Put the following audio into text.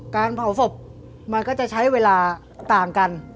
การเผาศพมันก็จะใช้เวลาต่างกัน